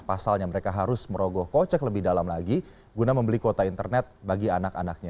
pasalnya mereka harus merogoh kocek lebih dalam lagi guna membeli kuota internet bagi anak anaknya